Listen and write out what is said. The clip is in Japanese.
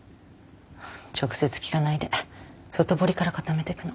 直接聞かないで外堀から固めてくの。